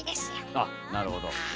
あっなるほど。